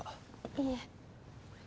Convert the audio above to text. いえ。